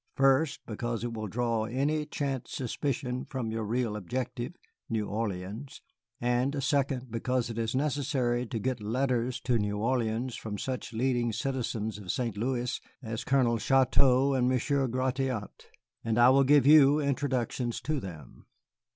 First, because it will draw any chance suspicion from your real objective, New Orleans; and second, because it is necessary to get letters to New Orleans from such leading citizens of St. Louis as Colonel Chouteau and Monsieur Gratiot, and I will give you introductions to them.